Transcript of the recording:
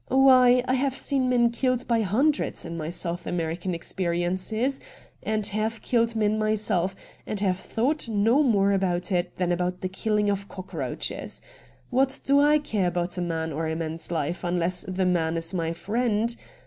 Why, I have seen men killed by hundreds in my South American experiences, and have killed men myself, and have thought no more about it than about the killing of cockroaches. What do I care about a man or a man's life, unless the man is my friend